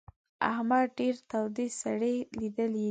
احمد ډېرې تودې سړې ليدلې دي.